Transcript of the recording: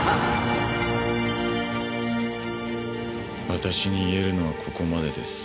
私に言えるのはここまでです。